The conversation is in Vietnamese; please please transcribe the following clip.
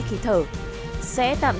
không không không không